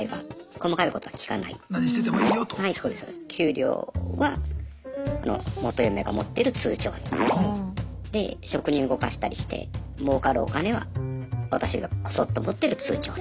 給料は元嫁が持ってる通帳にで職人動かしたりしてもうかるお金は私がこそっと持ってる通帳にって分けて。